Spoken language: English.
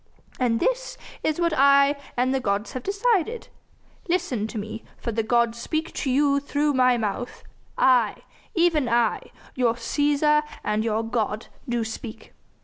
And this is what I and the gods have decided. Listen to me, for the gods speak to you through my mouth I, even I, your Cæsar and your god, do speak.